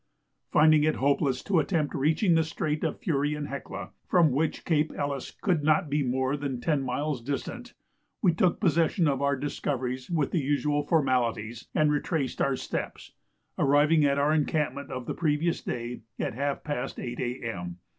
Finding it hopeless to attempt reaching the strait of the Fury and Hecla, from which Cape Ellice could not be more than ten miles distant, we took possession of our discoveries with the usual formalities, and retraced our steps, arriving at our encampment of the previous day at half past 8 A.M.